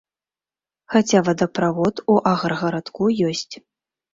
Хаця вадаправод у аграгарадку ёсць.